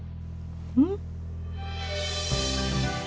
うん。